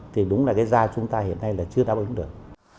thì đúng là cái da chúng ta hiện nay là chưa đáp ứng được